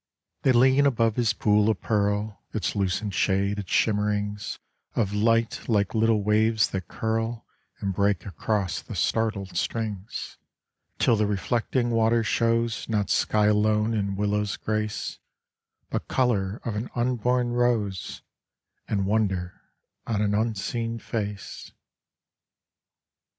They lean above his pool of pearl, Its lucent shade, its shimmerings Of light like little waves that curl And break across the startled strings Till the reflecting water shows Not sky alone and willows' grace, But color of an unborn rose, And wonder on an unseen. face.